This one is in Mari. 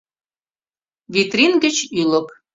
Витрин гыч ӱлык